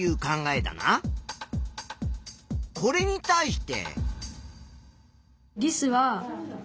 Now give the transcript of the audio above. これに対して。